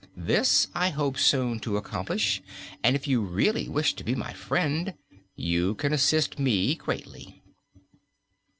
This I hope soon to accomplish, and if you really wish to be my friend, you can assist me greatly."